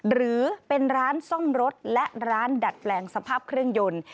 หรือเป็นร้านซ่อมรถและร้านดัดแปลงสภาพเครื่องยนต์